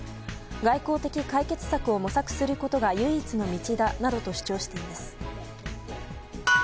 外交的解決策を模索することが唯一の道だなどと主張しています。